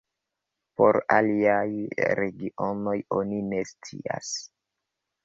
Por aliaj regionoj oni ne scias.